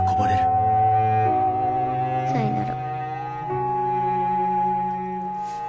さいなら。